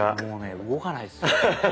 もうね動かないですよ。